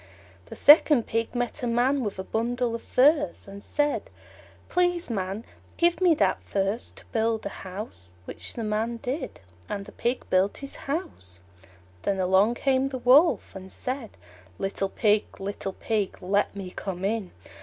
The second Pig met a Man with a bundle of furze, and said, "Please, Man, give me that furze to build a house"; which the Man did, and the Pig built his house. Then along came the Wolf and said, "Little Pig, little Pig, let me come in."